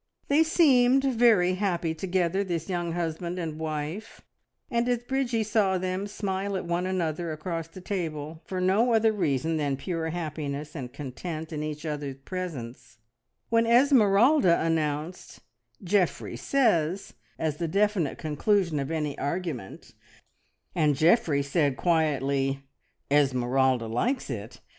They seemed very happy together, this young husband and wife, and as Bridgie saw them smile at one another across the table, for no other reason than pure happiness and content in each other's presence; when Esmeralda announced "Geoffrey says," as the definite conclusion of any argument, and Geoffrey said quietly, "Esmeralda likes it!"